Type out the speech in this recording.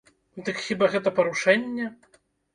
Дык хіба гэта парушэнне?